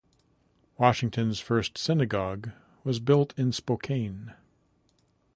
Washington's first synagogue was built in Spokane.